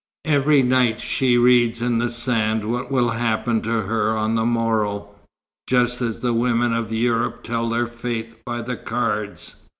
Every night she reads in the sand what will happen to her on the morrow, just as the women of Europe tell their fate by the cards.